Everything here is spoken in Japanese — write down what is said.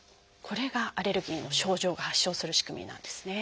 これがアレルギーの症状が発症する仕組みなんですね。